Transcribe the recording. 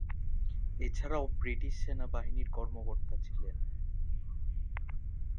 এছাড়াও, ব্রিটিশ সেনাবাহিনীর কর্মকর্তা ছিলেন।